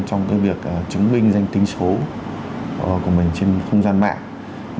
trong việc chứng minh danh tính số của mình trên không gian mạng